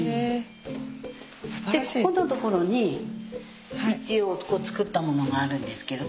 でここのところに一応作ったものがあるんですけど。